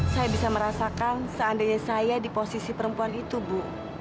saya bisa merasakan seandainya saya di posisi perempuan itu bu